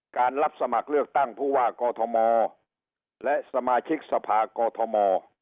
รับสมัครเลือกตั้งผู้ว่ากอทมและสมาชิกสภากอทม